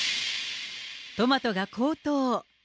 トマトが高騰。